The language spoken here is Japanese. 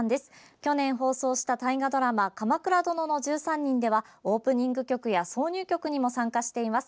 去年放送した大河ドラマ「鎌倉殿の１３人」ではオープニング曲や挿入曲にも参加しています。